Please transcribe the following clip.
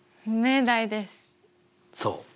そう。